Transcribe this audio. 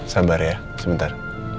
sabar ya sebentar